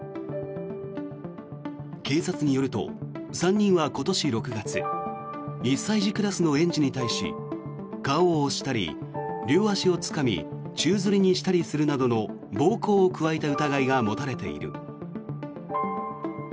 警察によると、３人は今年６月１歳児クラスの園児に対し顔を押したり、両足をつかみ宙づりにしたりするなどの暴行を加えた疑いが持たれている。